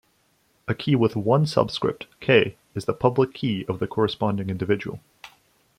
A key with one subscript, K, is the public key of the corresponding individual.